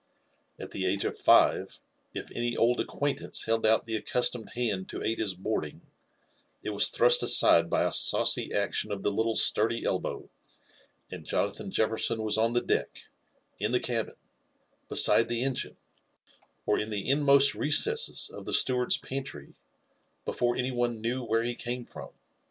At the age of five, if aiiy old acquaintance held out the accustomed hktid to aid his boarding, it waii thrust aside by a saucy action of the little itiirdy elboW, dnd Jonathan' JeBersoh was 6h the deck, in the ^blily beside the engine, or in the immost recessed of the stei^^rd'i pantry, before any one knew where he came from.